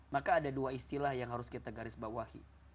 maka ada dua istilah yang harus kita garisbawahi